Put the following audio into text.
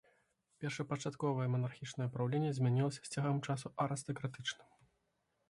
Першапачатковае манархічнае праўленне замянілася з цягам часу арыстакратычным.